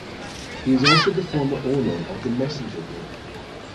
He is also the former owner of the Messenger Group.